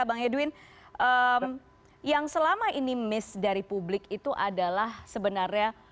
bang edwin yang selama ini miss dari publik itu adalah sebenarnya